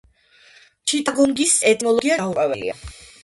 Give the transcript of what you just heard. ჩიტაგონგის ეტიმოლოგია გაურკვეველია.